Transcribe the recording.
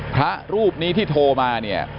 พระรูปนี้ที่โทรมาเนี่ย